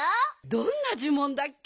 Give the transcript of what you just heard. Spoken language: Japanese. どんなじゅもんだっけ？